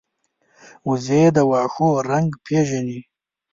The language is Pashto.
وزې د واښو رنګ پېژني